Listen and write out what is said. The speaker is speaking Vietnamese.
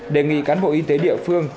đề nghị cán bộ y tế địa phương